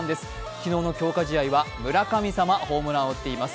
昨日の強化試合は村神様ホームランを打っています。